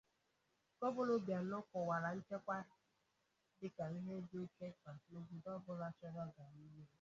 Gọvanọ Obianọ kọwara nchekwa dịka ihe dị oke mkpà n'obodo ọbụla chọrọ agamnihu